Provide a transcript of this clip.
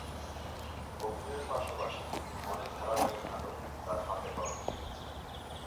অভিনয়ের পাশাপাশি তিনি অনেক ধারাবাহিক নাটক তার হাতে-কলমে লিখেছেন।